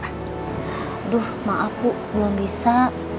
aduh maaf aku belum bisa